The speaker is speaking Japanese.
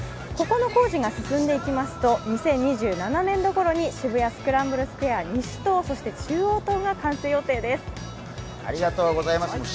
ここの工事が進んでいきますと、２０２７年ぐらいころに渋谷スクランブル西と中央棟が完成です。